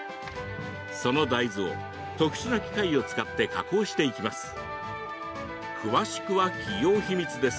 その大豆を、特殊な機械を使って加工していきます。